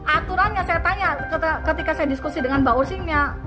aturannya saya tanya ketika saya diskusi dengan mbak osingnya